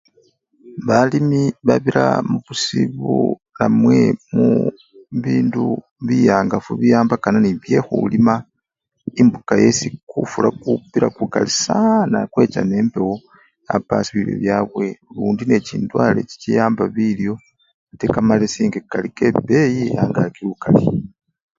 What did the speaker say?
Balimi babira mubusibu namwe mu bindu biyangafu biyambakana nibyekhulima embuka esi kufula kupila kukali saana kwecha nembewo yapasi bilyo byabwe lundi nechindwale chichiwamba bilyo ate kamalesi nga kali kebeyi ye-angaki lukali.